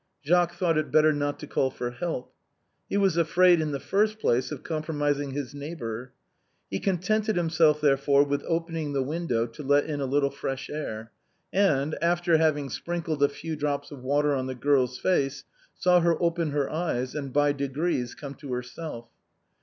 Jacques thought it better not to call for help ; he was afraid, in the first place, of compromising his neighbor. He con tented himself, therefore, with opening the window to let in a little fresh air, and, after having sprinkled a few drops of water on the girl's face, saw her open her eyes and by degrees come to herself.